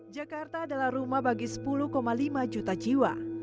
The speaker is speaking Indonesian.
jakarta adalah rumah bagi sepuluh lima juta jiwa